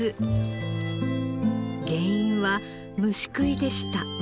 原因は虫食いでした。